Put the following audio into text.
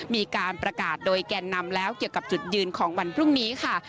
มีการประกาศโดยแกนนำแล้วเกี่ยวกับจุดยืนของวันพรุ่งนี้ค่ะ